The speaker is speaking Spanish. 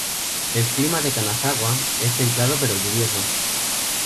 El clima de Kanazawa es templado pero lluvioso.